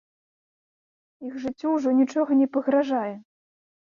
Іх жыццю ўжо нічога не пагражае.